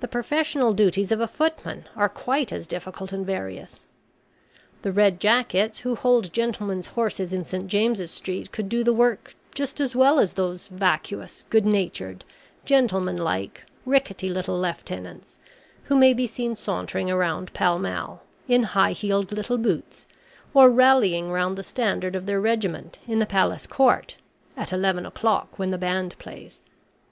The professional duties of a footman are quite as difficult and various. The red jackets who hold gentlemen's horses in St. James's Street could do the work just as well as those vacuous, good natured, gentlemanlike, rickety little lieutenants, who may be seen sauntering about Pall Mall, in high heeled little boots, or rallying round the standard of their regiment in the Palace Court, at eleven o'clock, when the band plays.